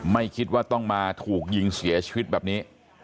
ไม่คิดว่าต้องมาถูกยิงเสียชีวิตแบบนี้